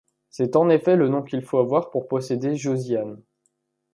C’est en effet le nom qu’il faut avoir pour posséder Josiane.